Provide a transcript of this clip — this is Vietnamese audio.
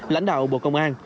lãnh đạo bộ công an